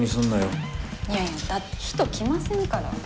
いやいやだって人来ませんから。